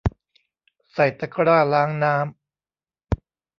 ใส่ตะกร้าล้างน้ำ